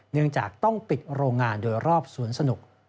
เนื่องจากต้องปิดโรงงานโดยรอบสวนสนุก